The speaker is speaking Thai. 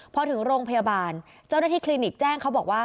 พอถึงโรงพยาบาลเจ้าหน้าที่คลินิกแจ้งเขาบอกว่า